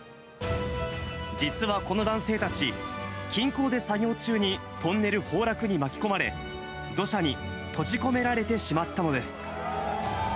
実はこの男性たち、金鉱で作業中にトンネル崩落に巻き込まれ、土砂に閉じ込められてしまったのです。